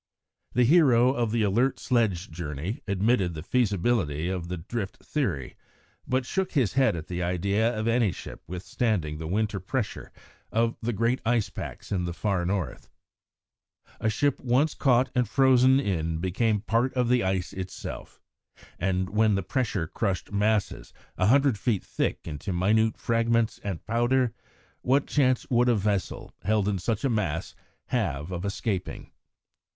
The hero of the Alert sledge journey admitted the feasibility of the drift theory, but shook his head at the idea of any ship withstanding the winter pressure of the great ice packs in the far North. A ship once caught and frozen in became part of the ice itself, and when the pressure crushed masses a hundred feet thick into minute fragments and powder, what chance would a vessel, held in such a mass, have of escaping?